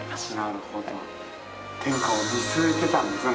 天下を見据えてたんですね